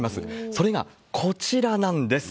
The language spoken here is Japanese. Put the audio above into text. それがこちらなんです。